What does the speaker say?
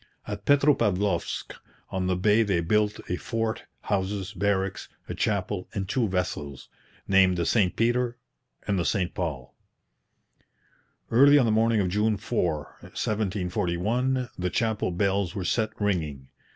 At Petropavlovsk on the bay they built a fort, houses, barracks, a chapel, and two vessels, named the St Peter and the St Paul. Early on the morning of June 4, 1741, the chapel bells were set ringing.